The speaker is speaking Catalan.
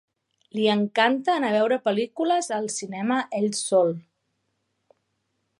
Li encanta anar a veure pel·lícules al cinema ell sol.